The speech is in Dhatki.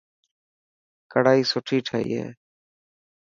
ڪڙائي سوٺي ٺهي هي.